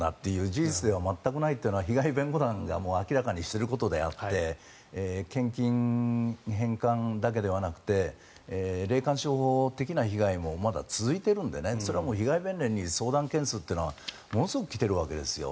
事実では全くないというのは被害弁護団は明らかにしていることであって献金、返還だけではなくて霊感商法的な被害もまだ続いているんでそれは被害弁連に相談件数というのはものすごく来ているわけですよ。